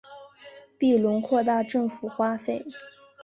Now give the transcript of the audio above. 庇隆扩大政府花费。